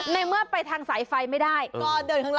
ในเมื่อไปทางสายไฟไม่ได้